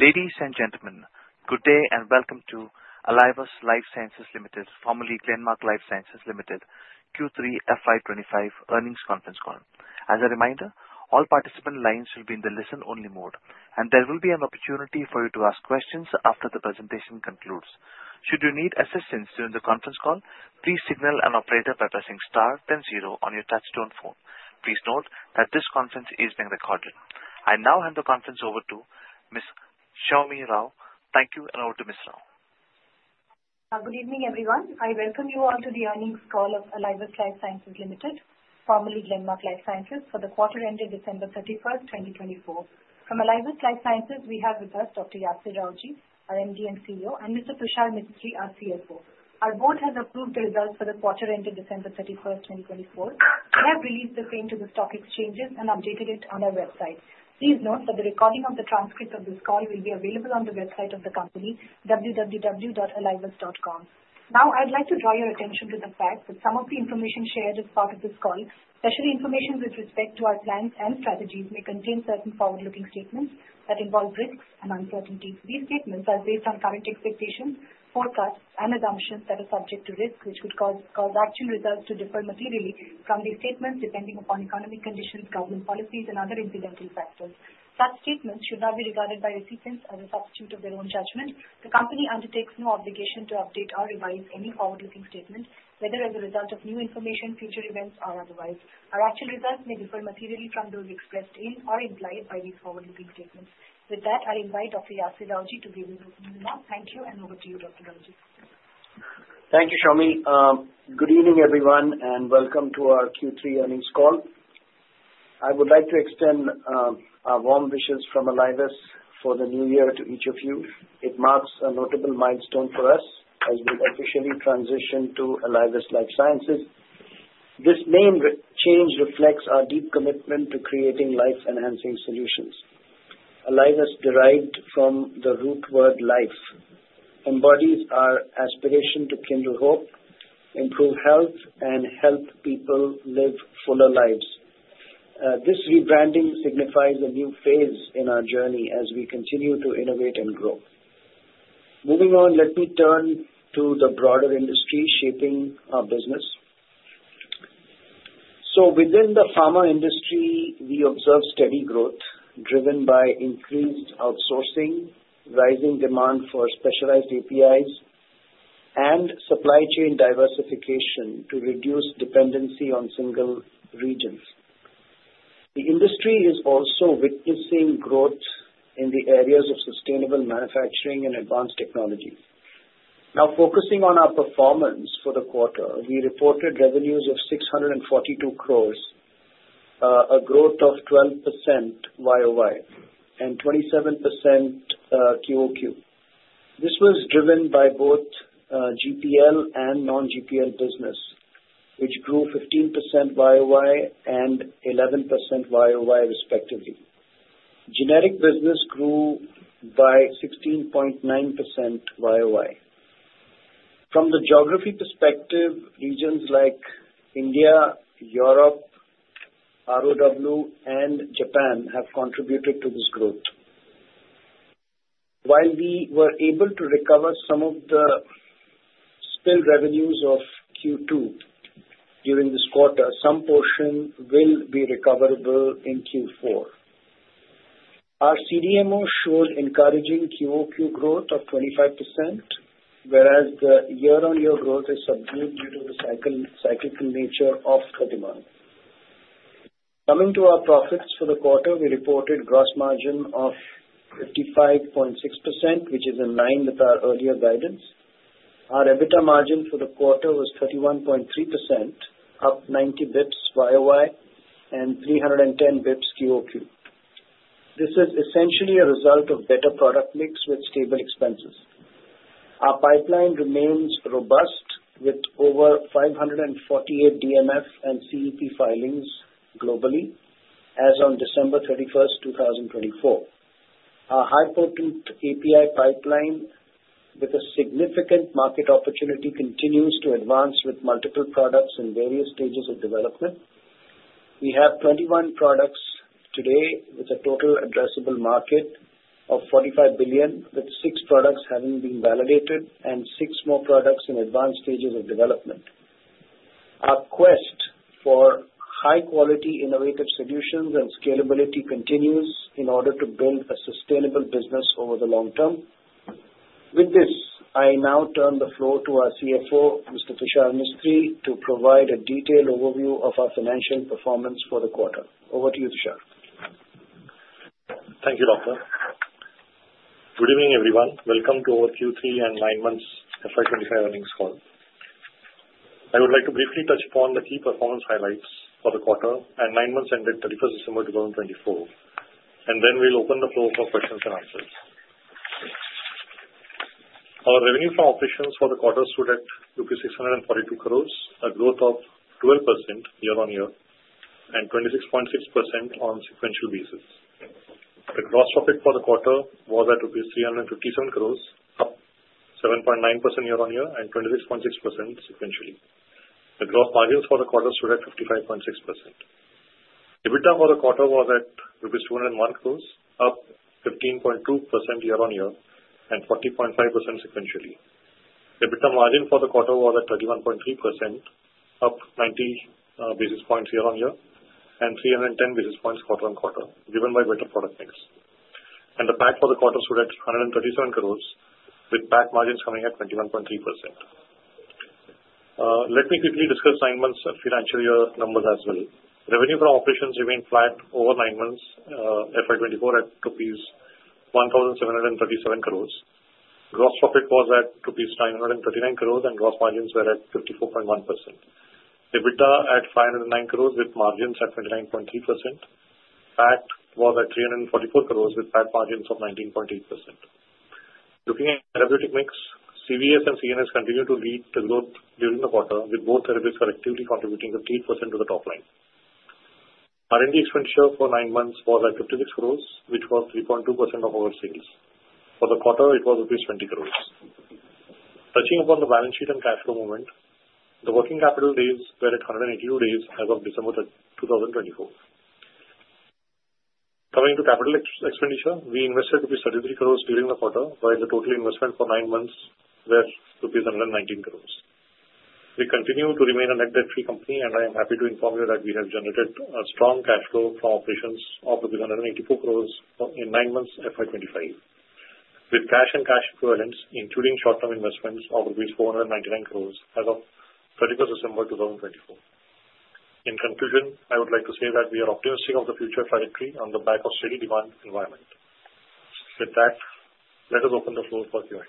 Ladies and gentlemen, good day and welcome to Alivus Life Sciences Limited, formerly Glenmark Life Sciences Limited, Q3 FY 2025 earnings conference call. As a reminder, all participant lines will be in the listen-only mode, and there will be an opportunity for you to ask questions after the presentation concludes. Should you need assistance during the conference call, please signal an operator by pressing star then zero on your touchtone phone. Please note that this conference is being recorded. I now hand the conference over to Ms. Soumi Rao. Thank you, and over to Ms. Rao. Good evening, everyone. I welcome you all to the earnings call of Alivus Life Sciences Limited, formerly Glenmark Life Sciences, for the quarter ended December 31st, 2024. From Alivus Life Sciences, we have with us Dr. Yasir Rawjee, our MD and CEO, and Mr. Tushar Mistry, our CFO. Our board has approved the results for the quarter ended December 31st, 2024. We have released the same to the stock exchanges and updated it on our website. Please note that the recording of the transcript of this call will be available on the website of the company, www.alivus.com. Now, I'd like to draw your attention to the fact that some of the information shared as part of this call, especially information with respect to our plans and strategies, may contain certain forward-looking statements that involve risks and uncertainties. These statements are based on current expectations, forecasts, and assumptions that are subject to risk, which would cause actual results to differ materially from these statements depending upon economic conditions, government policies, and other incidental factors. Such statements should not be regarded by recipients as a substitute of their own judgment. The company undertakes no obligation to update or revise any forward-looking statement, whether as a result of new information, future events, or otherwise. Our actual results may differ materially from those expressed in or implied by these forward-looking statements. With that, I invite Dr. Yasir Rawjee to give his opening remarks. Thank you, and over to you, Dr. Rawjee. Thank you, Soumi. Good evening, everyone, and welcome to our Q3 earnings call. I would like to extend our warm wishes from Alivus for the new year to each of you. It marks a notable milestone for us as we officially transition to Alivus Life Sciences. This name change reflects our deep commitment to creating life-enhancing solutions. Alivus, derived from the root word life, embodies our aspiration to kindle hope, improve health, and help people live fuller lives. This rebranding signifies a new phase in our journey as we continue to innovate and grow. Moving on, let me turn to the broader industry shaping our business. So, within the pharma industry, we observe steady growth driven by increased outsourcing, rising demand for specialized APIs, and supply chain diversification to reduce dependency on single regions. The industry is also witnessing growth in the areas of sustainable manufacturing and advanced technology. Now, focusing on our performance for the quarter, we reported revenues of 642 crores, a growth of 12% YoY and 27% QoQ. This was driven by both GPL and non-GPL business, which grew 15% YoY and 11% YoY, respectively. Generic business grew by 16.9% YoY. From the geography perspective, regions like India, Europe, ROW, and Japan have contributed to this growth. While we were able to recover some of the spillover revenues of Q2 during this quarter, some portion will be recoverable in Q4. Our CDMO showed encouraging QoQ growth of 25%, whereas the year-on-year growth is subdued due to the cyclical nature of the demand. Coming to our profits for the quarter, we reported gross margin of 55.6%, which is in line with our earlier guidance. Our EBITDA margin for the quarter was 31.3%, up 90 basis points YoY and 310 basis points QoQ. This is essentially a result of better product mix with stable expenses. Our pipeline remains robust with over 548 DMF and CEP filings globally as on December 31st, 2024. Our high-potent API pipeline with a significant market opportunity continues to advance with multiple products in various stages of development. We have 21 products today with a total addressable market of $45 billion, with six products having been validated and six more products in advanced stages of development. Our quest for high-quality innovative solutions and scalability continues in order to build a sustainable business over the long term. With this, I now turn the floor to our CFO, Mr. Tushar Mistry, to provide a detailed overview of our financial performance for the quarter. Over to you, Tushar. Thank you, Doctor. Good evening, everyone. Welcome to our Q3 and nine months FY 2025 earnings call. I would like to briefly touch upon the key performance highlights for the quarter and nine months ended 31st December 2024, and then we'll open the floor for questions and answers. Our revenue from operations for the quarter stood at 642 crores, a growth of 12% year-on-year and 26.6% on a sequential basis. The gross profit for the quarter was at INR 357 crores, up 7.9% year-on-year and 26.6% sequentially. The gross margins for the quarter stood at 55.6%. EBITDA for the quarter was at 201 crores rupees, up 15.2% year-on-year and 40.5% sequentially. EBITDA margin for the quarter was at 31.3%, up 90 basis points year-on-year and 310 basis points quarter-on-quarter, driven by better product mix. And the PAT for the quarter stood at 137 crores, with PAT margins coming at 21.3%. Let me quickly discuss nine months financial year numbers as well. Revenue from operations remained flat over nine months FY 2024 at rupees 1,737 crores. Gross profit was at rupees 939 crores, and gross margins were at 54.1%. EBITDA at 509 crores, with margins at 29.3%. PAT was at 344 crores, with PAT margins of 19.8%. Looking at therapeutic mix, CVS and CNS continue to lead the growth during the quarter, with both areas collectively contributing 15% to the top line. R&D expenditure for nine months was at 56 crores, which was 3.2% of our sales. For the quarter, it was rupees 20 crores. Touching upon the balance sheet and cash flow movement, the working capital days were at 182 days as of December 2024. Coming to capital expenditure, we invested rupees 33 crores during the quarter, where the total investment for nine months was rupees 119 crores. We continue to remain a net debt-free company, and I am happy to inform you that we have generated a strong cash flow from operations of 184 crores in nine months FY 2025, with cash and cash equivalents, including short-term investments of rupees 499 crores as of 31st December 2024. In conclusion, I would like to say that we are optimistic about the future trajectory on the back of steady demand environment. With that, let us open the floor for Q&A.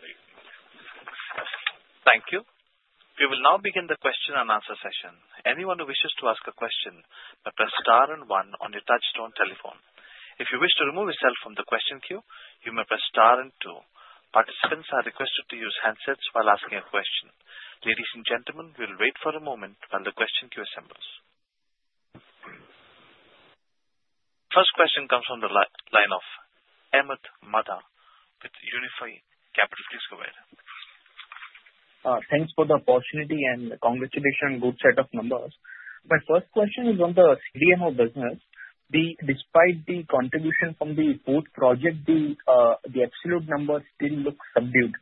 Thank you. We will now begin the question and answer session. Anyone who wishes to ask a question may press star and one on your touchtone telephone. If you wish to remove yourself from the question queue, you may press star and two. Participants are requested to use handsets while asking a question. Ladies and gentlemen, we'll wait for a moment while the question queue assembles. First question comes from the line of Ahmed with Unifi Capital. Thanks for the opportunity and congratulations. Good set of numbers. My first question is on the CDMO business. Despite the contribution from the board project, the absolute number still looks subdued.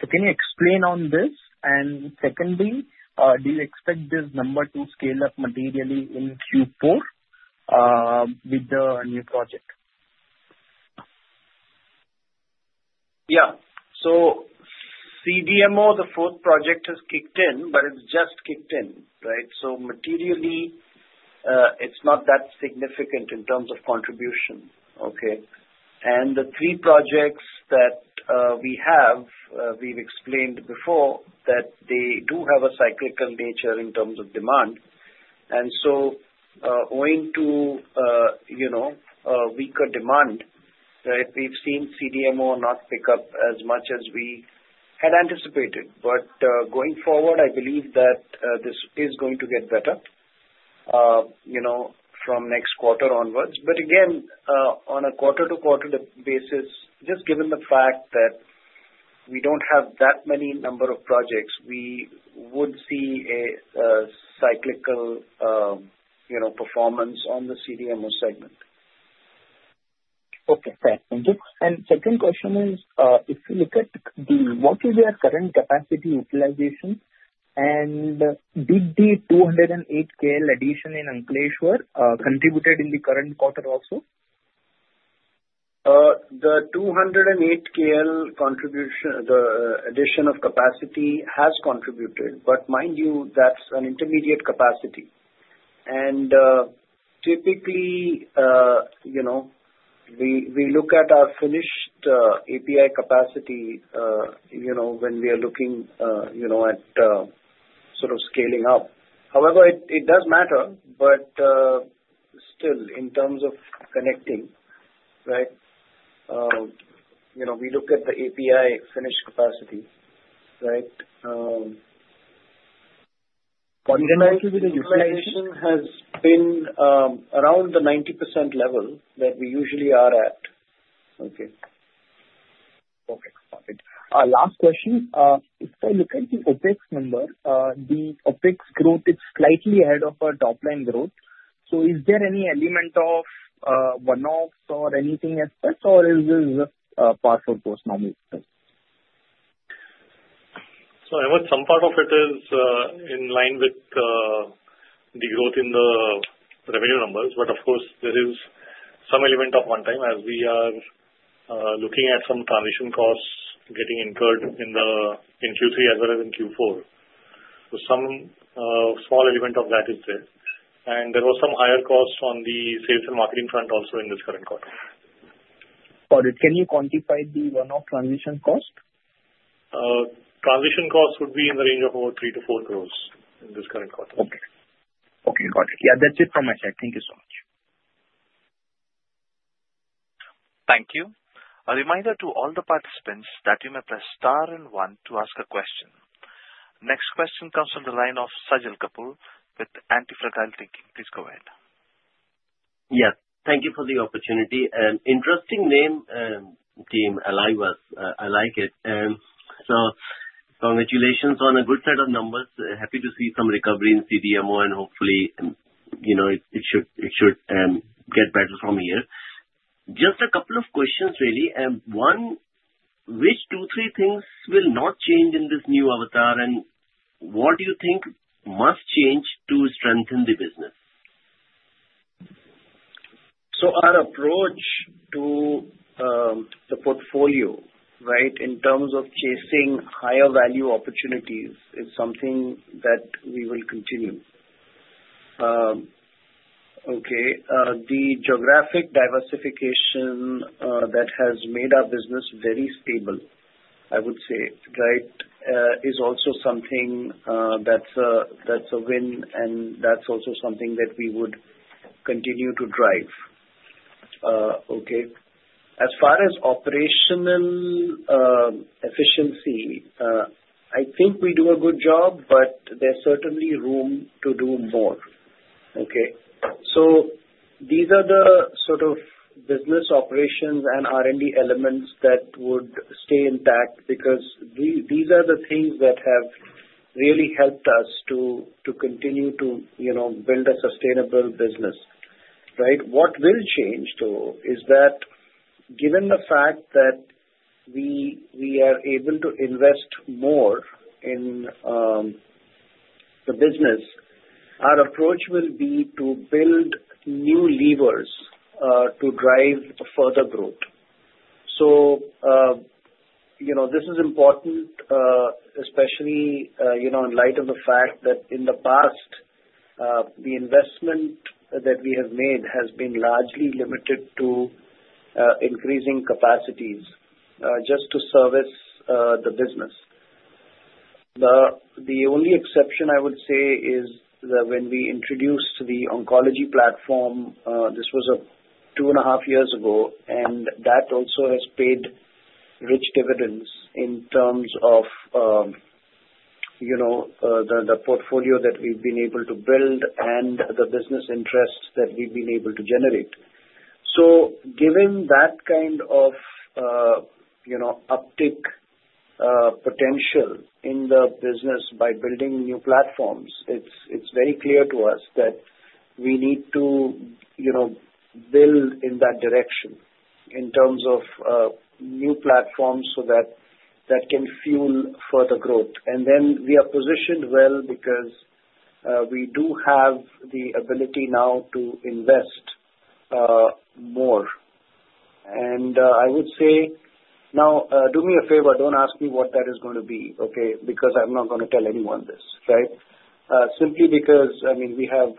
So can you explain on this? And secondly, do you expect this number to scale up materially in Q4 with the new project? Yeah. So CDMO, the fourth project has kicked in, but it's just kicked in, right? So materially, it's not that significant in terms of contribution. Okay. And the three projects that we have, we've explained before that they do have a cyclical nature in terms of demand. And so owing to weaker demand, right, we've seen CDMO not pick up as much as we had anticipated. But going forward, I believe that this is going to get better from next quarter onwards. But again, on a quarter-to-quarter basis, just given the fact that we don't have that many number of projects, we would see a cyclical performance on the CDMO segment. Okay. Thank you, and second question is, if you look at the working year current capacity utilization, did the 208 KL addition in Ankleshwar contribute in the current quarter also? The 208 KL addition of capacity has contributed, but mind you, that's an intermediate capacity, and typically, we look at our finished API capacity when we are looking at sort of scaling up. However, it does matter, but still, in terms of connecting, right, we look at the API finished capacity, right? Fundamentally, the utilization has been around the 90% level that we usually are at. Okay. Okay. Got it. Last question. If I look at the OpEx number, the OpEx growth is slightly ahead of our top-line growth. So is there any element of one-off or anything as such, or is this just par for the course? So some part of it is in line with the growth in the revenue numbers, but of course, there is some element of one-time as we are looking at some transition costs getting incurred in Q3 as well as in Q4, so some small element of that is there, and there were some higher costs on the sales and marketing front also in this current quarter. Got it. Can you quantify the one-off transition cost? Transition cost would be in the range of about 3 crores-4 crores in this current quarter. Okay. Okay. Got it. Yeah, that's it from my side. Thank you so much. Thank you. A reminder to all the participants that you may press star and one to ask a question. Next question comes from the line of Sajal Kapoor with Antifragile Thinking. Please go ahead. Yes. Thank you for the opportunity. Interesting name, team. I like it. So congratulations on a good set of numbers. Happy to see some recovery in CDMO, and hopefully, it should get better from here. Just a couple of questions, really. One, which two, three things will not change in this new avatar, and what do you think must change to strengthen the business? So our approach to the portfolio, right, in terms of chasing higher value opportunities is something that we will continue. Okay. The geographic diversification that has made our business very stable, I would say, right, is also something that's a win, and that's also something that we would continue to drive. Okay. As far as operational efficiency, I think we do a good job, but there's certainly room to do more. Okay. So these are the sort of business operations and R&D elements that would stay intact because these are the things that have really helped us to continue to build a sustainable business, right? What will change, though, is that given the fact that we are able to invest more in the business, our approach will be to build new levers to drive further growth. So this is important, especially in light of the fact that in the past, the investment that we have made has been largely limited to increasing capacities just to service the business. The only exception, I would say, is when we introduced the oncology platform. This was two and a half years ago, and that also has paid rich dividends in terms of the portfolio that we've been able to build and the business interests that we've been able to generate. So given that kind of uptick potential in the business by building new platforms, it's very clear to us that we need to build in that direction in terms of new platforms so that can fuel further growth. And then we are positioned well because we do have the ability now to invest more. And I would say, now, do me a favor. Don't ask me what that is going to be, okay, because I'm not going to tell anyone this, right? Simply because, I mean, we have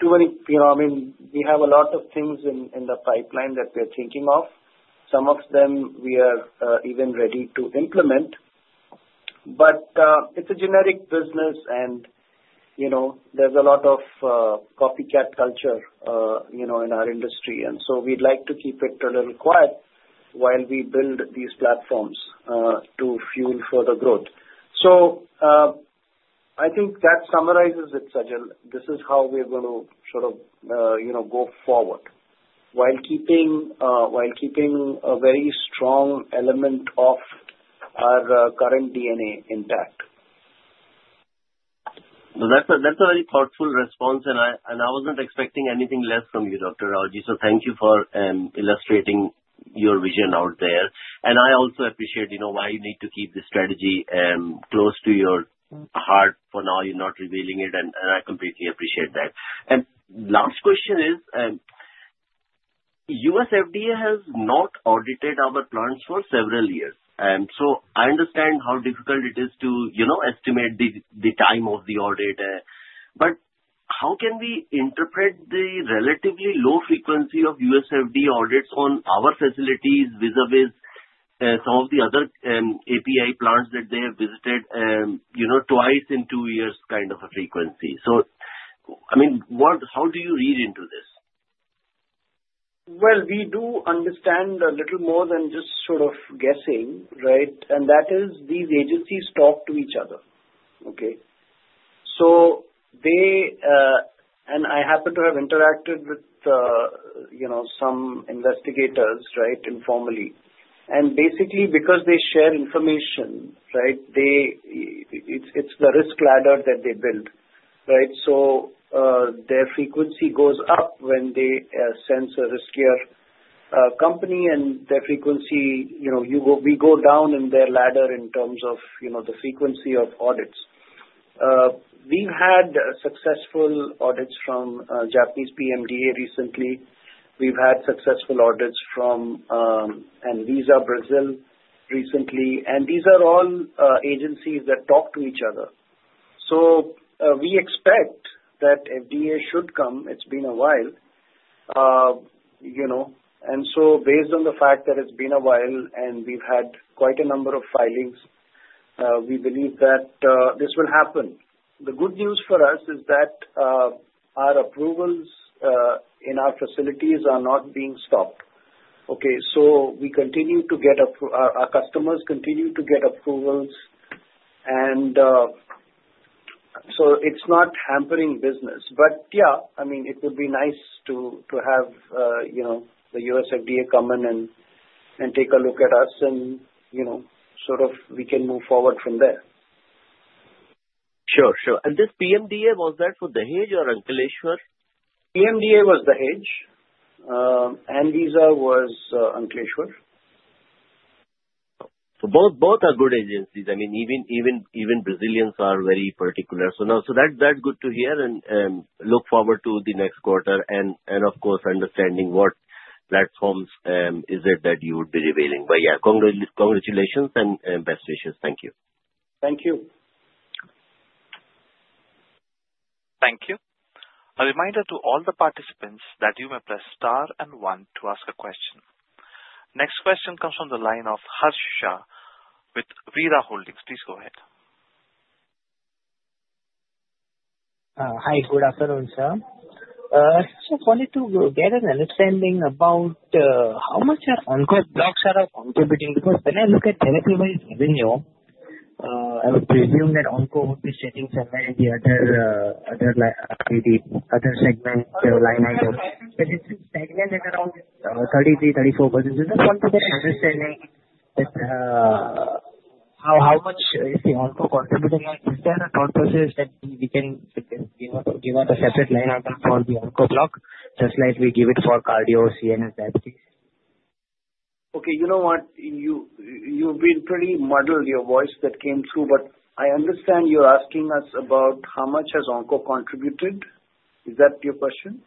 too many, I mean, we have a lot of things in the pipeline that we're thinking of. Some of them we are even ready to implement, but it's a generic business, and there's a lot of copycat culture in our industry. And so we'd like to keep it a little quiet while we build these platforms to fuel further growth. So I think that summarizes it, Sajal. This is how we're going to sort of go forward while keeping a very strong element of our current DNA intact. That's a very thoughtful response, and I wasn't expecting anything less from you, Dr. Rawjee. So thank you for illustrating your vision out there. And I also appreciate why you need to keep this strategy close to your heart for now. You're not revealing it, and I completely appreciate that. And last question is, USFDA has not audited our plants for several years. And so I understand how difficult it is to estimate the time of the audit, but how can we interpret the relatively low frequency of USFDA audits on our facilities vis-à-vis some of the other API plants that they have visited twice in two years kind of a frequency? So I mean, how do you read into this? We do understand a little more than just sort of guessing, right? And that is these agencies talk to each other, okay? And I happen to have interacted with some investigators, right, informally. And basically, because they share information, right, it's the risk ladder that they build, right? So their frequency goes up when they sense a riskier company, and their frequency, we go down in their ladder in terms of the frequency of audits. We've had successful audits from Japanese PMDA recently. We've had successful audits from ANVISA Brazil recently. And these are all agencies that talk to each other. So we expect that FDA should come. It's been a while. And so based on the fact that it's been a while and we've had quite a number of filings, we believe that this will happen. The good news for us is that our approvals in our facilities are not being stopped. Okay. So we continue to get, our customers continue to get approvals, and so it's not hampering business, but yeah, I mean, it would be nice to have the USFDA come in and take a look at us, and sort of, we can move forward from there. Sure. Sure. And this PMDA, was that for Dahej or Ankleshwar? PMDA was Dahej. ANVISA was Ankleshwar. So both are good agencies. I mean, even Brazilians are very particular. So that's good to hear and look forward to the next quarter. And of course, understanding what platforms is it that you would be revealing. But yeah, congratulations and best wishes. Thank you. Thank you. Thank you. A reminder to all the participants that you may press star and one to ask a question. Next question comes from the line of Harsh Shah with Vera Holdings. Please go ahead. Hi. Good afternoon, sir. I just wanted to get an understanding about how much the onco blocks are contributing because when I look at the previous revenue, I would presume that onco would be sitting somewhere in the other segment line items. But it's a segment that's around 33%-34%. So I just wanted to get an understanding how much the onco is contributing. Is there a possibility that we can give out a separate line item for the onco block just like we give it for cardio, CNS, that piece? Okay. You know what? You've been pretty muddled, your voice that came through, but I understand you're asking us about how much has onco contributed. Is that your question?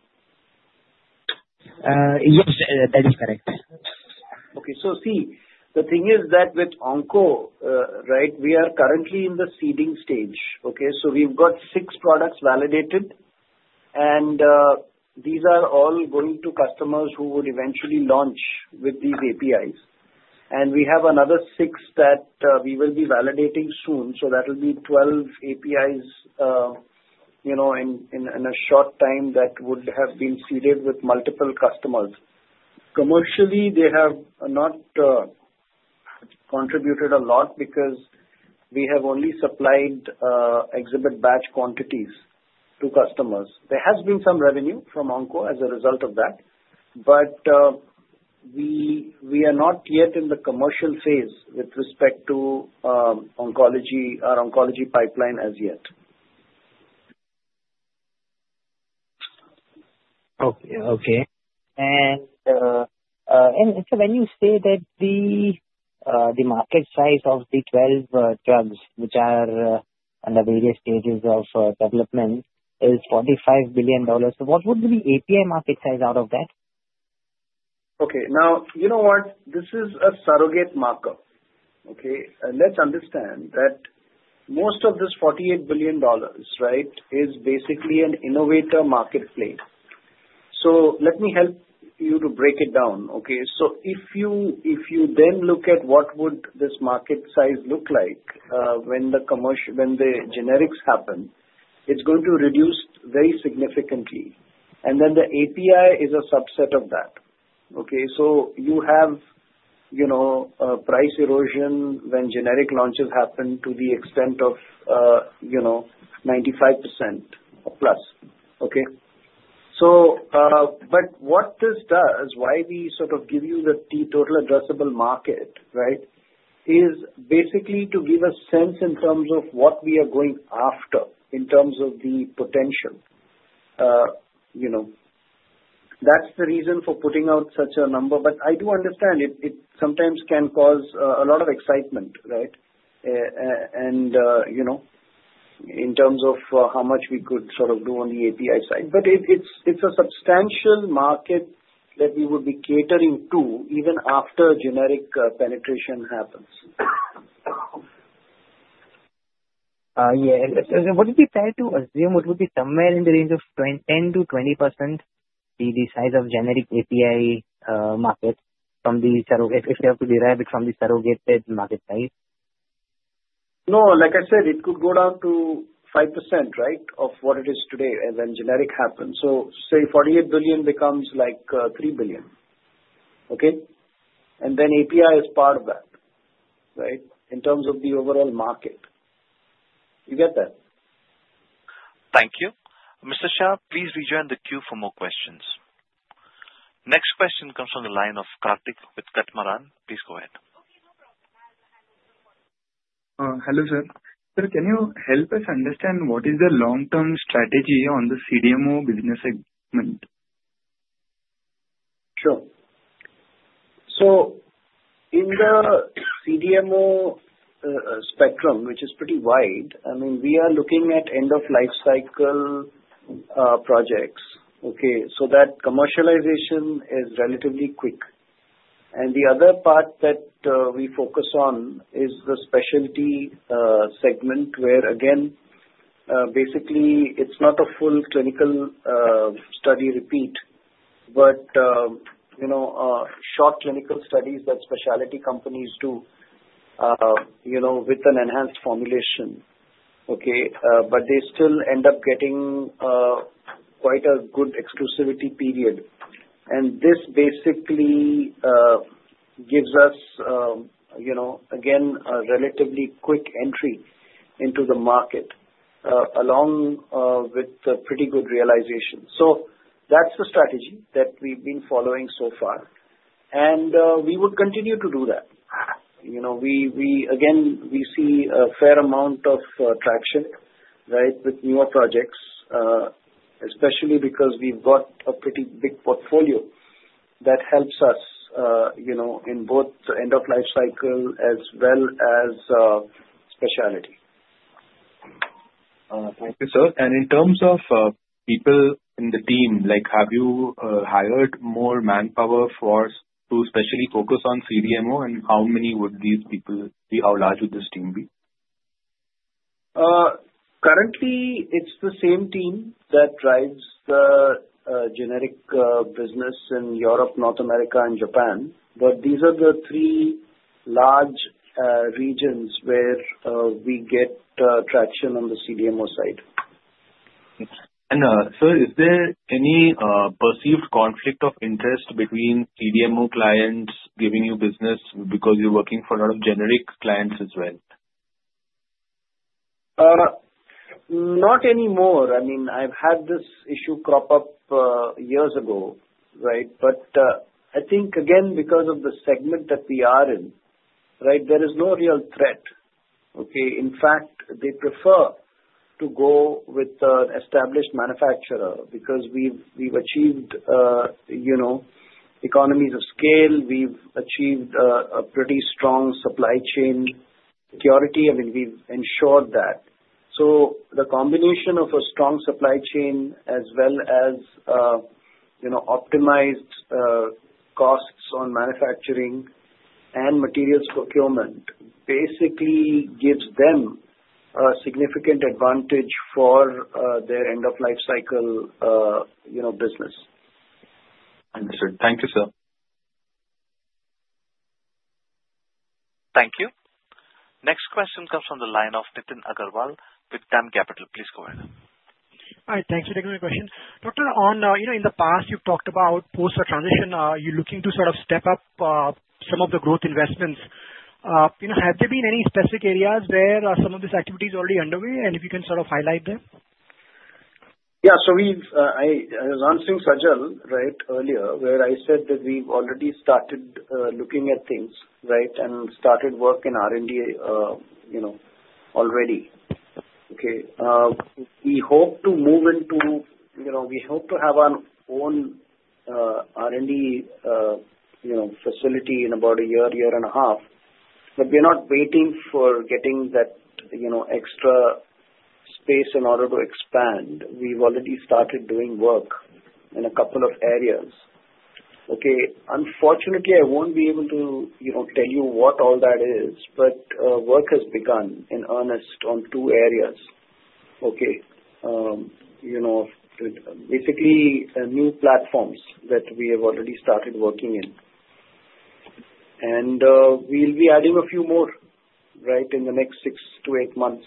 Yes, that is correct. Okay. See, the thing is that with onco, right, we are currently in the seeding stage. Okay. We've got six products validated, and these are all going to customers who would eventually launch with these APIs. We have another six that we will be validating soon. That will be 12 APIs in a short time that would have been seeded with multiple customers. Commercially, they have not contributed a lot because we have only supplied exhibit batch quantities to customers. There has been some revenue from onco as a result of that, but we are not yet in the commercial phase with respect to our oncology pipeline as yet. Okay. And so when you say that the market size of the 12 drugs, which are under various stages of development, is $45 billion, what would be the API market size out of that? Okay. Now, you know what? This is a surrogate markup. Okay. And let's understand that most of this $48 billion, right, is basically an innovator marketplace. So let me help you to break it down. Okay. So if you then look at what would this market size look like when the generics happen, it's going to reduce very significantly. And then the API is a subset of that. Okay. So you have price erosion when generic launches happen to the extent of 95% plus. Okay. But what this does, why we sort of give you the total addressable market, right, is basically to give a sense in terms of what we are going after in terms of the potential. That's the reason for putting out such a number. But I do understand it sometimes can cause a lot of excitement, right, and in terms of how much we could sort of do on the API side, but it's a substantial market that we would be catering to even after generic penetration happens. Yeah, and what if we try to assume it would be somewhere in the range of 10%-20%, the size of generic API market from the if you have to derive it from the surrogate market size? No. Like I said, it could go down to 5%, right, of what it is today when generic happens. So say $48 billion becomes like $3 billion. Okay. And then API is part of that, right, in terms of the overall market. You get that? Thank you. Mr. Shah, please rejoin the queue for more questions. Next question comes from the line of Karthik with Catamaran. Please go ahead. Hello, sir. Sir, can you help us understand what is the long-term strategy on the CDMO business segment? Sure, so in the CDMO spectrum, which is pretty wide, I mean, we are looking at end-of-life cycle projects, okay, so that commercialization is relatively quick, and the other part that we focus on is the specialty segment where, again, basically, it's not a full clinical study repeat, but short clinical studies that specialty companies do with an enhanced formulation, okay, but they still end up getting quite a good exclusivity period, and this basically gives us, again, a relatively quick entry into the market along with pretty good realization, so that's the strategy that we've been following so far, and we would continue to do that. Again, we see a fair amount of traction, right, with newer projects, especially because we've got a pretty big portfolio that helps us in both the end-of-life cycle as well as specialty. Thank you, sir. And in terms of people in the team, have you hired more manpower for to especially focus on CDMO? And how many would these people be? How large would this team be? Currently, it's the same team that drives the generic business in Europe, North America, and Japan. But these are the three large regions where we get traction on the CDMO side. Sir, is there any perceived conflict of interest between CDMO clients giving you business because you're working for a lot of generic clients as well? Not anymore. I mean, I've had this issue crop up years ago, right, but I think, again, because of the segment that we are in, right, there is no real threat. Okay. In fact, they prefer to go with an established manufacturer because we've achieved economies of scale. We've achieved a pretty strong supply chain security. I mean, we've ensured that, so the combination of a strong supply chain as well as optimized costs on manufacturing and materials procurement basically gives them a significant advantage for their end-of-life cycle business. Understood. Thank you, sir. Thank you. Next question comes from the line of Nitin Agarwal with DAM Capital. Please go ahead. Hi. Thanks for taking my question. Dr. Rawjee, in the past, you've talked about post-transition. Are you looking to sort of step up some of the growth investments? Have there been any specific areas where some of these activities are already underway, and if you can sort of highlight them. Yeah. So I was answering Sajil, right, earlier where I said that we've already started looking at things, right, and started work in R&D already. Okay. We hope to have our own R&D facility in about a year, year and a half. But we're not waiting for getting that extra space in order to expand. We've already started doing work in a couple of areas. Okay. Unfortunately, I won't be able to tell you what all that is, but work has begun, in earnest, on two areas. Okay. Basically, new platforms that we have already started working in, and we'll be adding a few more, right, in the next six to eight months.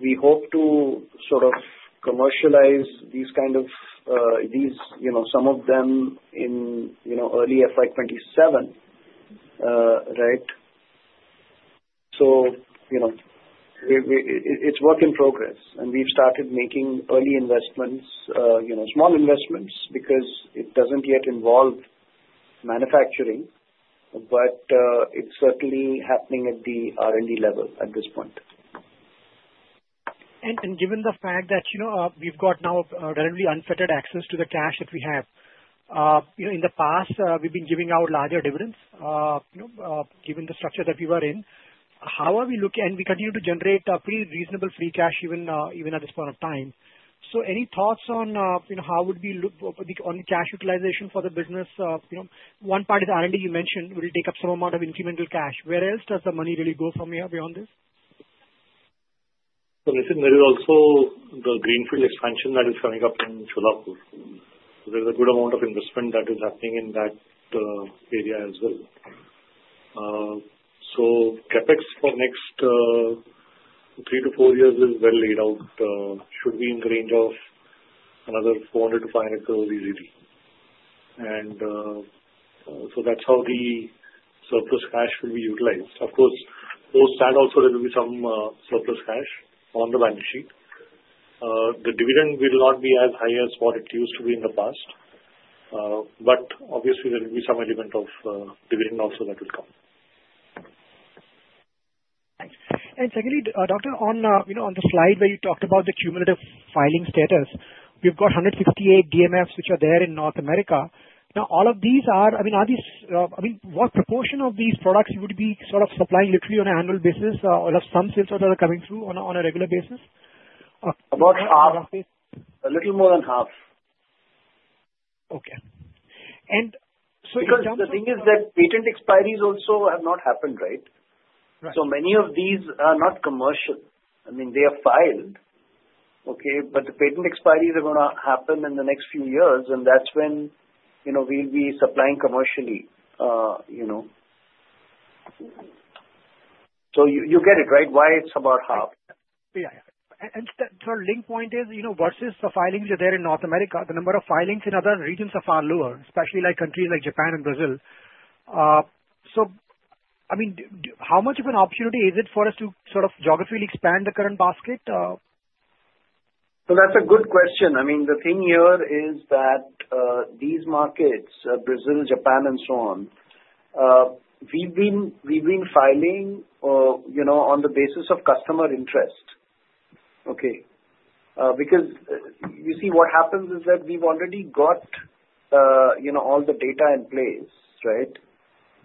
We hope to sort of commercialize these kind of some of them in early FY 2027, right? So it's work in progress. We've started making early investments, small investments, because it doesn't yet involve manufacturing, but it's certainly happening at the R&D level at this point. Given the fact that we've got now relatively unfettered access to the cash that we have. In the past, we've been giving out larger dividends given the structure that we were in. How are we looking? We continue to generate pretty reasonable free cash even at this point of time. Any thoughts on how would we look on cash utilization for the business? One part is R&D you mentioned will take up some amount of incremental cash. Where else does the money really go from here beyond this? Listen, there is also the greenfield expansion that is coming up in Solapur. There's a good amount of investment that is happening in that area as well. CapEx for the next three to four years is well laid out. It should be in the range of another 400 crores-500 crores easily. And so that's how the surplus cash will be utilized. Of course, post-standalone also, there will be some surplus cash on the balance sheet. The dividend will not be as high as what it used to be in the past. But obviously, there will be some element of dividend also that will come. Secondly, Dr. Yasir, on the slide where you talked about the cumulative filing status, we've got 168 DMFs which are there in North America. Now, all of these are, I mean, are these, I mean, what proportion of these products would be sort of supplying literally on an annual basis? Or some sales orders are coming through on a regular basis? About half. A little more than half. Okay. And so in terms of. Because the thing is that patent expiries also have not happened, right? So many of these are not commercial. I mean, they are filed. Okay. But the patent expiries are going to happen in the next few years, and that's when we'll be supplying commercially. So you get it, right, why it's about half. Yeah. Sir, the key point is versus the filings that are there in North America, the number of filings in other regions are far lower, especially like countries like Japan and Brazil. So I mean, how much of an opportunity is it for us to sort of geographically expand the current basket? So that's a good question. I mean, the thing here is that these markets, Brazil, Japan, and so on, we've been filing on the basis of customer interest. Okay. Because you see, what happens is that we've already got all the data in place, right?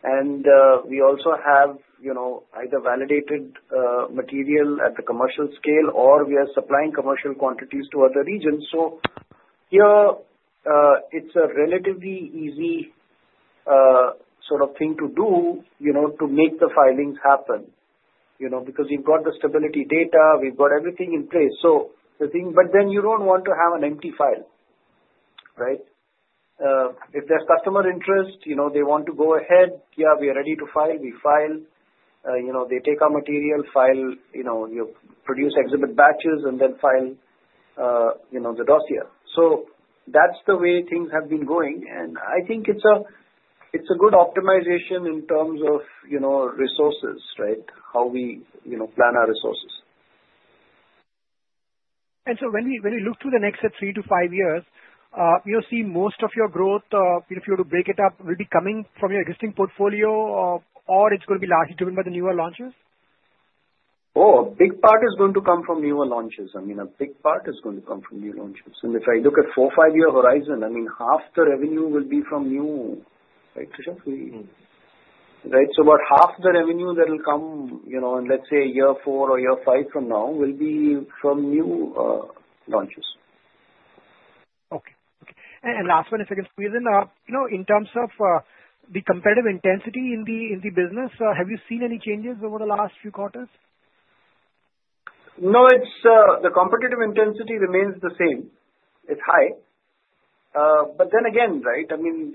And we also have either validated material at the commercial scale or we are supplying commercial quantities to other regions. So here, it's a relatively easy sort of thing to do to make the filings happen because we've got the stability data. We've got everything in place. So the thing but then you don't want to have an empty file, right? If there's customer interest, they want to go ahead. Yeah, we are ready to file. We file. They take our material, produce exhibit batches, and then file the dossier. So that's the way things have been going. I think it's a good optimization in terms of resources, right, how we plan our resources. When we look to the next three to five years, you'll see most of your growth, if you were to break it up, will be coming from your existing portfolio or it's going to be largely driven by the newer launches? Oh, a big part is going to come from newer launches. I mean, a big part is going to come from new launches. And if I look at four, five-year horizon, I mean, half the revenue will be from new, right, right? So about half the revenue that will come in, let's say, year four or year five from now will be from new launches. Okay. Okay. And last one, if I can squeeze in, in terms of the competitive intensity in the business, have you seen any changes over the last few quarters? No. The competitive intensity remains the same. It's high. But then again, right, I mean,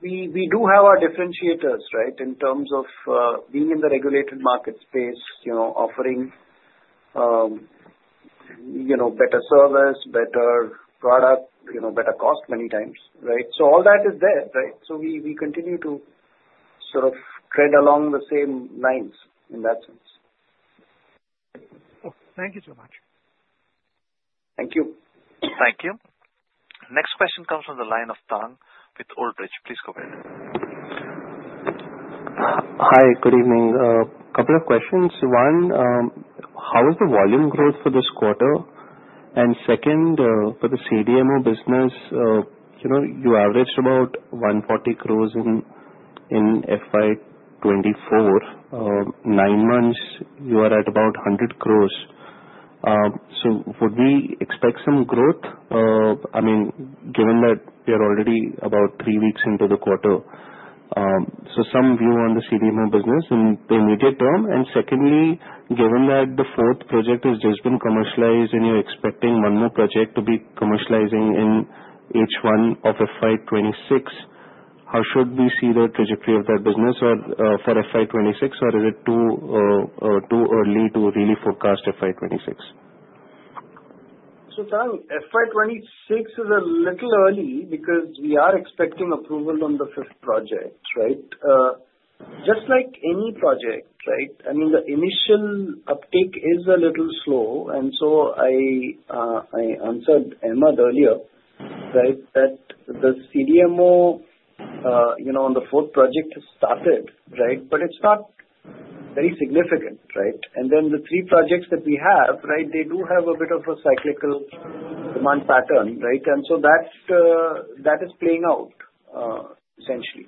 we do have our differentiators, right, in terms of being in the regulated market space, offering better service, better product, better cost many times, right? So all that is there, right? So we continue to sort of tread along the same lines in that sense. Thank you so much. Thank you. Thank you. Next question comes from the line of Tarang with Old Bridge. Please go ahead. Hi. Good evening. A couple of questions. One, how is the volume growth for this quarter? And second, for the CDMO business, you averaged about 140 crores in FY 2024. Nine months, you are at about 100 crores. So would we expect some growth? I mean, given that we are already about three weeks into the quarter, so some view on the CDMO business in the immediate term. And secondly, given that the fourth project has just been commercialized and you're expecting one more project to be commercializing in H1 of FY 2026, how should we see the trajectory of that business for FY 2026? Or is it too early to really forecast FY 2026? Tarang, FY 2026 is a little early because we are expecting approval on the fifth project, right? Just like any project, right, I mean, the initial uptake is a little slow. And so I answered Amit earlier, right, that the CDMO on the fourth project has started, right? But it's not very significant, right? And then the three projects that we have, right, they do have a bit of a cyclical demand pattern, right? And so that is playing out essentially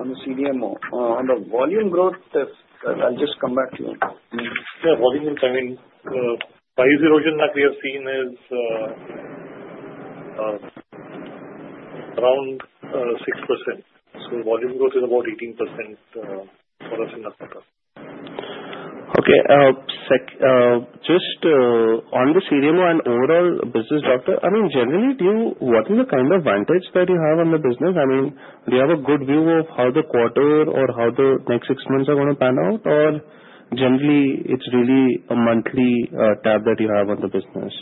on the CDMO. On the volume growth, I'll just come back to you. Yeah. Volume, I mean, price erosion that we have seen is around 6%. So volume growth is about 18% for us in the quarter. Okay. Just on the CDMO and overall business, Dr., I mean, generally, what is the kind of advantage that you have on the business? I mean, do you have a good view of how the quarter or how the next six months are going to pan out? Or generally, it's really a monthly tab that you have on the business?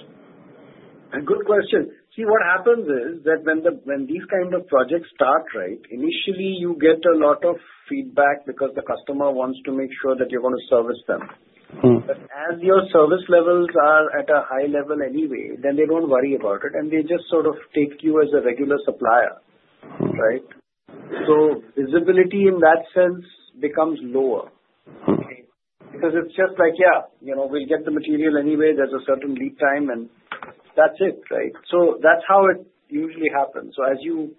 A good question. See, what happens is that when these kind of projects start, right, initially, you get a lot of feedback because the customer wants to make sure that you're going to service them. But as your service levels are at a high level anyway, then they don't worry about it. And they just sort of take you as a regular supplier, right? So visibility in that sense becomes lower, okay, because it's just like, "Yeah, we'll get the material anyway. There's a certain lead time, and that's it," right? So that's how it usually happens. So you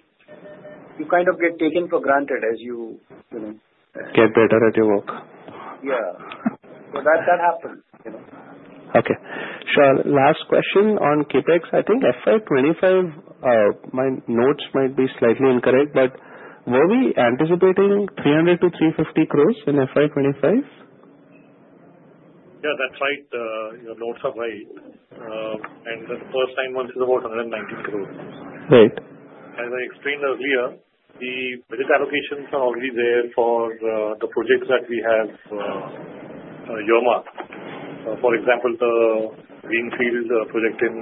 kind of get taken for granted as you. Get better at your work. Yeah, so that happens. Okay. Sure. Last question on CapEx. I think FY 2025, my notes might be slightly incorrect, but were we anticipating 300 crores-350 crores in FY 2025? Yeah, that's right. Your notes are right. And the first line item is about 190 crores. As I explained earlier, the budget allocations are already there for the projects that we have Glenmark. For example, the greenfield project in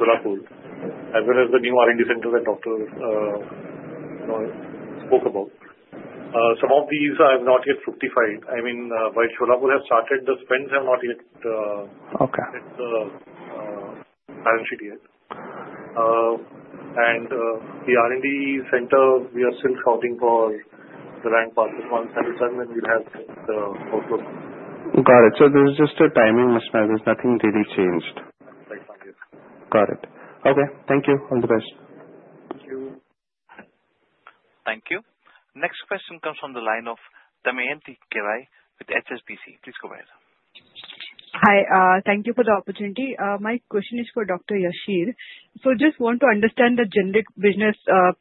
Solapur, as well as the new R&D center that Dr. Yasir Rawjee spoke about. Some of these have not yet fructified. I mean, while Solapur has started, the spends have not yet hit the balance sheet yet. And the R&D center, we are still scouting for the right place once again, and we'll have the outlook. Got it, so there's just a timing mismatch. There's nothing really changed. Right. Yes. Got it. Okay. Thank you. All the best. Thank you. Thank you. Next question comes from the line of Damayanti Kerai with HSBC. Please go ahead. Hi. Thank you for the opportunity. My question is for Dr. Yasir. So just want to understand the generic business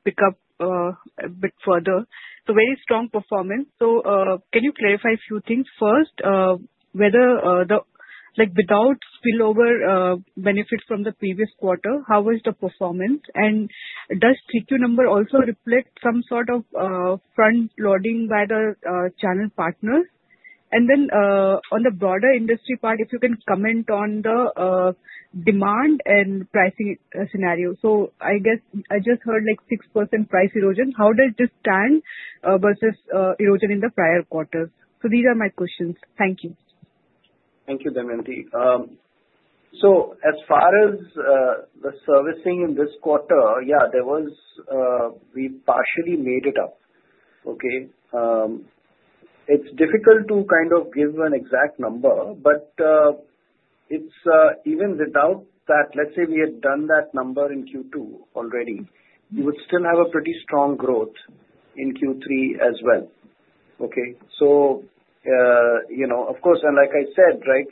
pickup a bit further. So very strong performance. So can you clarify a few things? First, whether the without spillover benefits from the previous quarter, how was the performance? And does TQ number also reflect some sort of front loading by the channel partners? And then on the broader industry part, if you can comment on the demand and pricing scenario. So I guess I just heard like 6% price erosion. How does this stand versus erosion in the prior quarters? So these are my questions. Thank you. Thank you, Damayanti. As far as the servicing in this quarter, yeah, we partially made it up. Okay. It's difficult to kind of give an exact number, but even without that, let's say we had done that number in Q2 already, you would still have a pretty strong growth in Q3 as well. Okay. Of course, and like I said, right,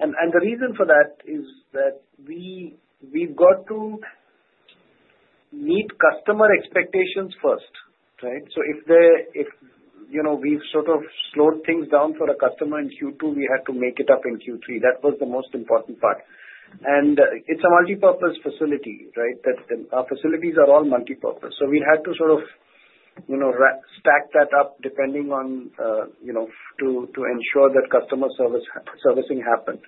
and the reason for that is that we've got to meet customer expectations first, right? So if we've sort of slowed things down for a customer in Q2, we had to make it up in Q3. That was the most important part, and it's a multipurpose facility, right? Our facilities are all multipurpose. So we had to sort of stack that up depending on to ensure that customer servicing happened.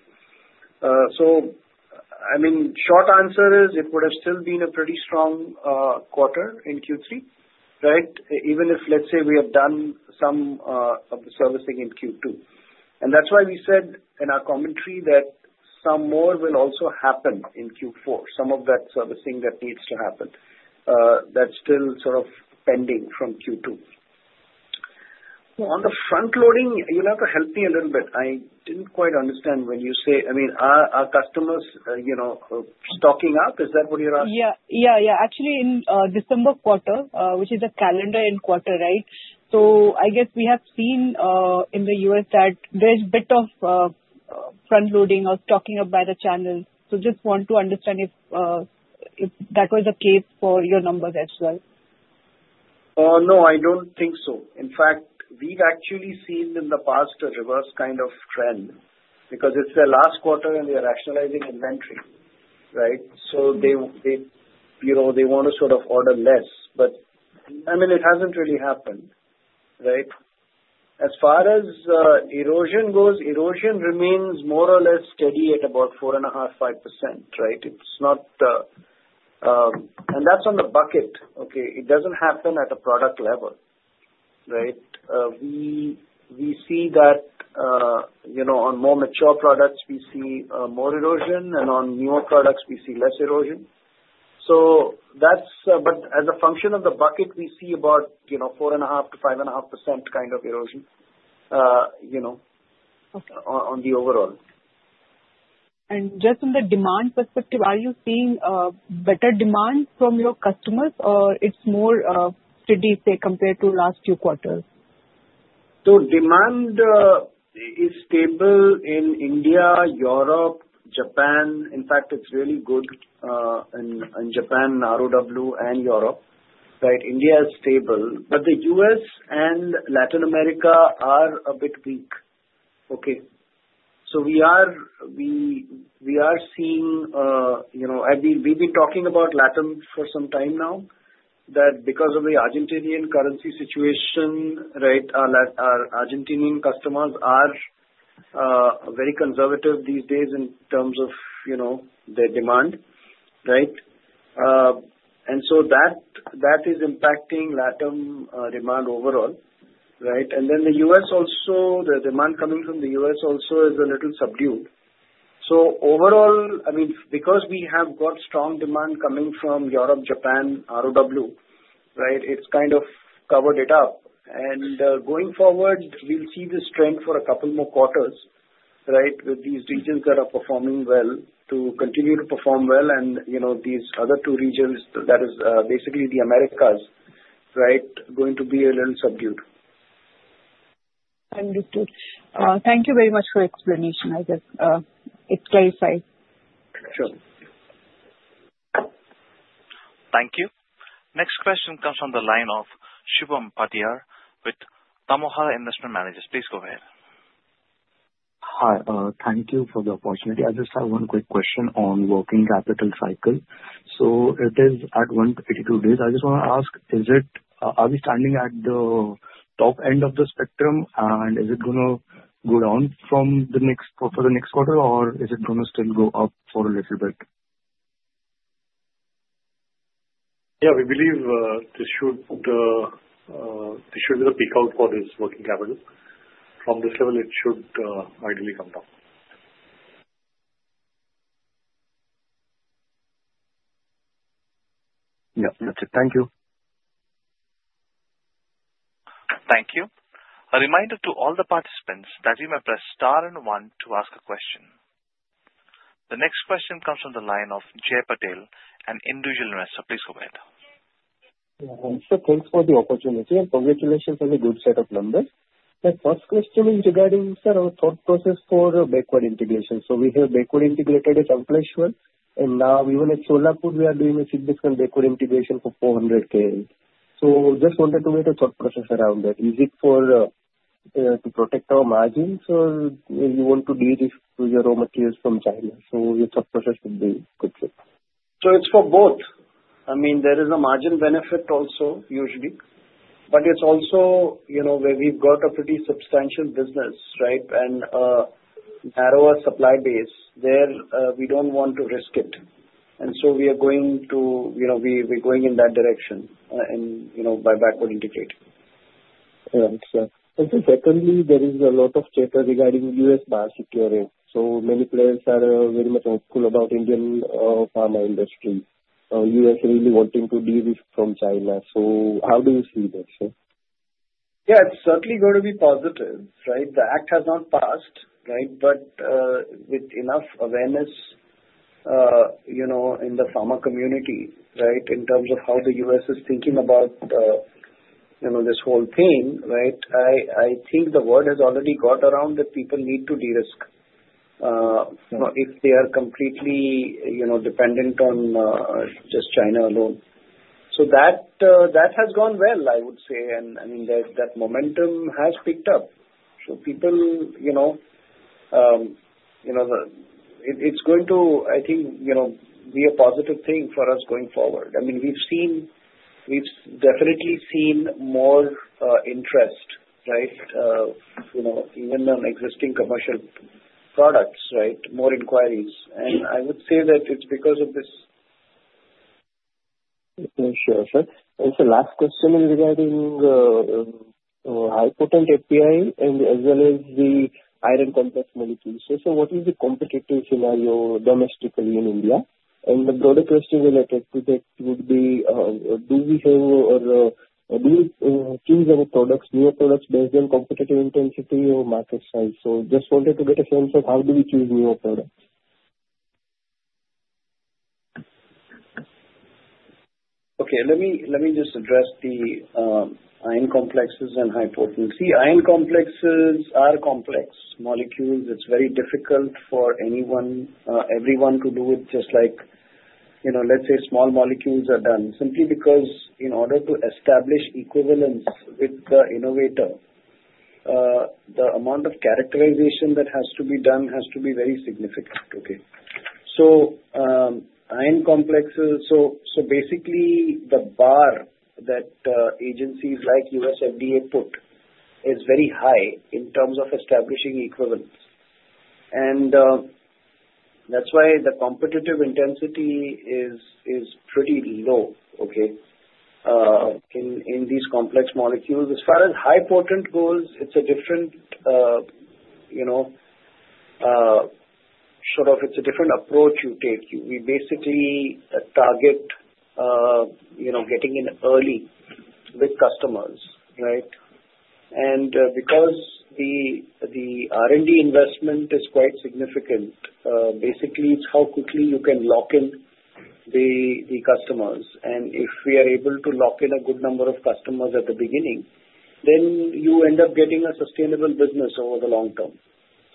So I mean, short answer is it would have still been a pretty strong quarter in Q3, right? Even if, let's say, we had done some of the servicing in Q2. And that's why we said in our commentary that some more will also happen in Q4, some of that servicing that needs to happen that's still sort of pending from Q2. On the front loading, you'll have to help me a little bit. I didn't quite understand when you say, I mean, are customers stocking up? Is that what you're asking? Actually, in December quarter, which is a calendar-end quarter, right? So I guess we have seen in the US that there's a bit of front loading or stocking up by the channels. So just want to understand if that was the case for your numbers as well. No, I don't think so. In fact, we've actually seen in the past a reverse kind of trend because it's their last quarter and they are rationalizing inventory, right? So they want to sort of order less. But I mean, it hasn't really happened, right? As far as erosion goes, erosion remains more or less steady at about 4.5%-5%, right? And that's on the bucket. Okay. It doesn't happen at a product level, right? We see that on more mature products, we see more erosion, and on newer products, we see less erosion. But as a function of the bucket, we see about 4.5% to 5.5% kind of erosion on the overall. Just from the demand perspective, are you seeing better demand from your customers, or it's more steady, say, compared to last few quarters? So demand is stable in India, Europe, Japan. In fact, it's really good in Japan, ROW, and Europe, right? India is stable. But the U.S. and Latin America are a bit weak. Okay. So we are seeing I mean, we've been talking about Latin for some time now that because of the Argentinian currency situation, right, our Argentinian customers are very conservative these days in terms of their demand, right? And so that is impacting Latin demand overall, right? And then the U.S. also, the demand coming from the U.S. also is a little subdued. So overall, I mean, because we have got strong demand coming from Europe, Japan, ROW, right, it's kind of covered it up. And going forward, we'll see this trend for a couple more quarters, right, with these regions that are performing well to continue to perform well. These other two regions, that is basically the Americas, right, going to be a little subdued. Understood. Thank you very much for the explanation. I guess it clarifies. Sure. Thank you. Next question comes from the line of Shubham Padhiyar with Tamohara Investment Managers. Please go ahead. Hi. Thank you for the opportunity. I just have one quick question on working capital cycle. So it is at 182 days. I just want to ask, are we standing at the top end of the spectrum, and is it going to go down for the next quarter, or is it going to still go up for a little bit? Yeah. We believe there should be a peak out for this working capital. From this level, it should ideally come down. Yeah. That's it. Thank you. Thank you. A reminder to all the participants that you may press star and one to ask a question. The next question comes from the line of Jay Patel an individual investor. So please go ahead. Yeah. Thanks for the opportunity. And congratulations on the good set of numbers. My first question is regarding, sir, our thought process for backward integration. So we have backward integrated at Ankleshwar, and now even at Solapur, we are doing a significant backward integration for 400 KL. So just wanted to get a thought process around that. Is it to protect our margins or you want to deal with your raw materials from China? So your thought process would be good too. It's for both. I mean, there is a margin benefit also, usually. But it's also where we've got a pretty substantial business, right, and a narrower supply base where we don't want to risk it. We are going to go in that direction by backward integrating. Yeah. And secondly, there is a lot of chatter regarding U.S. Biosecurity. So many players are very much hopeful about Indian pharma industry. U.S. really wanting to deal with from China. So how do you see this? Yeah. It's certainly going to be positive, right? The act has not passed, right? But with enough awareness in the pharma community, right, in terms of how the U.S. is thinking about this whole thing, right, I think the word has already got around that people need to de-risk if they are completely dependent on just China alone. So that has gone well, I would say. And I mean, that momentum has picked up. So people, it's going to, I think, be a positive thing for us going forward. I mean, we've definitely seen more interest, right, even on existing commercial products, right, more inquiries. And I would say that it's because of this. Sure. Sure. And so last question is regarding high-potent API as well as the iron complex molecules. So what is the competitive scenario domestically in India? And the broader question related to that would be, do we have or do we choose any products, newer products based on competitive intensity or market size? So just wanted to get a sense of how do we choose newer products. Okay. Let me just address the iron complexes and high potency. Iron complexes are complex molecules. It's very difficult for everyone to do it just like, let's say, small molecules are done. Simply because in order to establish equivalence with the innovator, the amount of characterization that has to be done has to be very significant. Okay. So iron complexes, so basically, the bar that agencies like US FDA put is very high in terms of establishing equivalence. And that's why the competitive intensity is pretty low, okay, in these complex molecules. As far as high-potent goes, it's a different approach you take. We basically target getting in early with customers, right? And because the R&D investment is quite significant, basically, it's how quickly you can lock in the customers. And if we are able to lock in a good number of customers at the beginning, then you end up getting a sustainable business over the long term.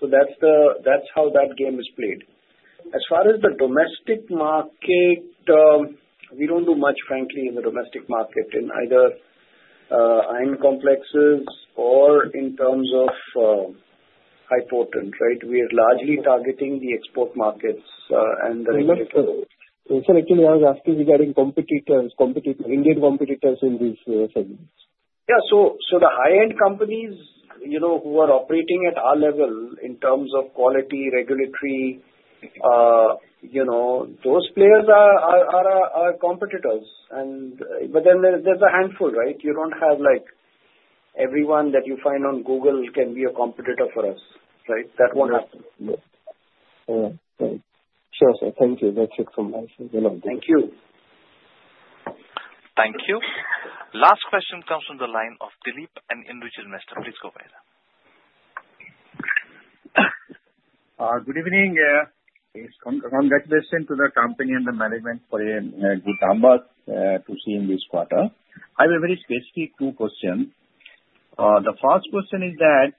So that's how that game is played. As far as the domestic market, we don't do much, frankly, in the domestic market, in either iron complexes or in terms of high-potent, right? We are largely targeting the export markets and the regulatory. Actually, I was asking regarding competitors, Indian competitors in these segments. Yeah, so the high-end companies who are operating at our level in terms of quality, regulatory, those players are our competitors. But then there's a handful, right? You don't have everyone that you find on Google can be a competitor for us, right? That won't happen. Yeah. Sure. Sure. Thank you. That's good information. Thank you. Thank you. Last question comes from the line of Dilip an individual investor. Please go ahead. Good evening. Congratulations to the company and the management for a good comeback to see in this quarter. I have a very specific two questions. The first question is that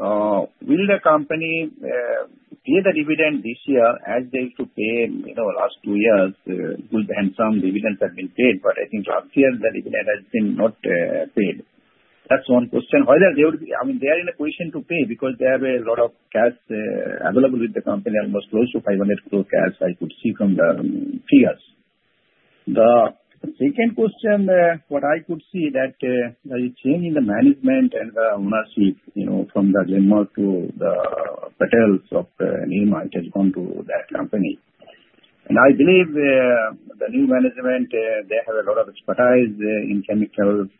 will the company pay the dividend this year as they used to pay last two years? Good and some dividends have been paid, but I think last year the dividend has been not paid. That's one question. Whether they would be I mean, they are in a position to pay because they have a lot of cash available with the company, almost close to 500 crore cash I could see from the figures. The second question, what I could see that there is change in the management and the ownership from the Glenmark to the Patels of Nirma has gone to that company. And I believe the new management, they have a lot of expertise in chemicals,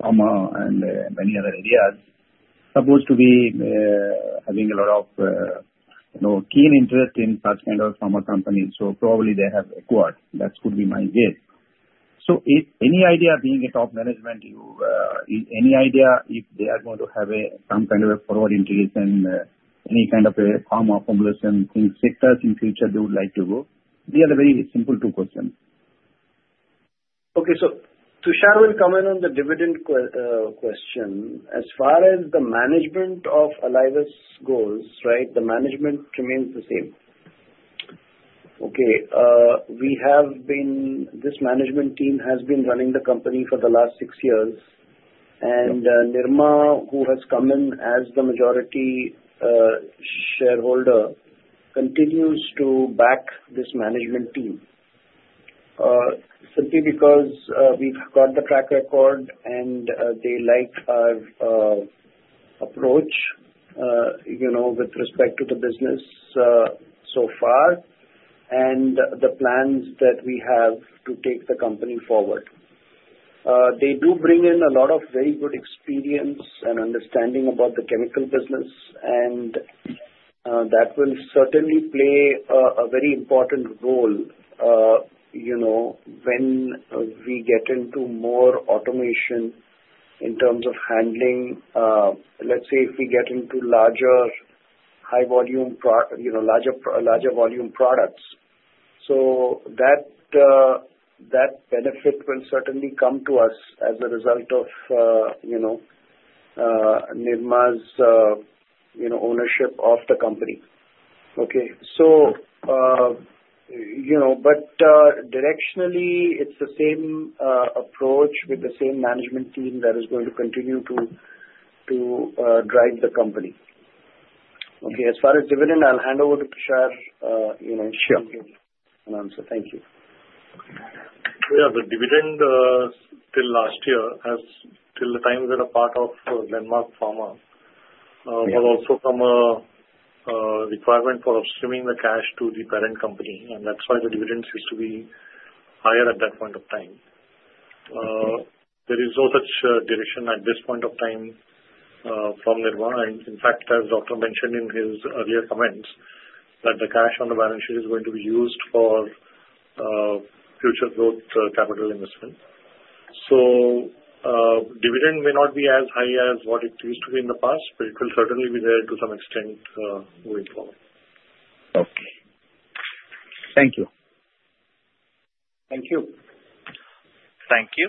pharma, and many other areas, supposed to be having a lot of keen interest in such kind of pharma companies. So probably they have acquired. That could be my guess. So any idea, being a top management, any idea if they are going to have some kind of a forward integration in any kind of a pharma formulation sectors in future they would like to go? These are the very simple two questions. Okay. So Tushar will comment on the dividend question. As far as the management of Alivus' goals, right, the management remains the same. Okay. This management team has been running the company for the last six years. And Nirma, who has come in as the majority shareholder, continues to back this management team simply because we've got the track record and they like our approach with respect to the business so far and the plans that we have to take the company forward. They do bring in a lot of very good experience and understanding about the chemical business, and that will certainly play a very important role when we get into more automation in terms of handling, let's say, if we get into larger high-volume products. So that benefit will certainly come to us as a result of Nirma's ownership of the company. Okay. But directionally, it's the same approach with the same management team that is going to continue to drive the company. Okay. As far as dividend, I'll hand over to Tushar and answer. Thank you. Yeah. The dividend till last year has till the time we were a part of Glenmark Pharma was also from a requirement for upstreaming the cash to the parent company. And that's why the dividend seems to be higher at that point of time. There is no such direction at this point of time from Nirma. And in fact, as Dr. mentioned in his earlier comments, that the cash on the balance sheet is going to be used for future growth capital investment. So dividend may not be as high as what it used to be in the past, but it will certainly be there to some extent going forward. Okay. Thank you. Thank you. Thank you.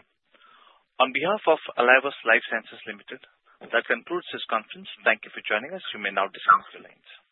On behalf of Alivus Life Sciences Limited, that concludes this conference. Thank you for joining us. You may now disconnect your lines.